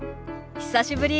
久しぶり。